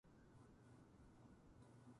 幼子と老人。